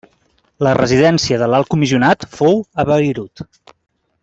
La residència de l'Alt Comissionat fou a Beirut.